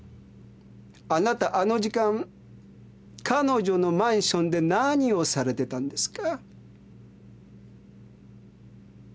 あなたあの時間彼女のマンションで何をされてたんですか？